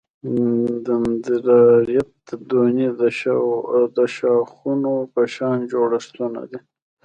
دندرایت د ونې د شاخونو په شان جوړښتونه دي.